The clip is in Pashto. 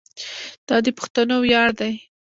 دا د پښتنو ویاړ دی.